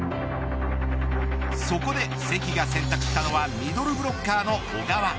そこで関が選択したのはミドルブロッカーの小川。